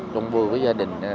chúng vui với gia đình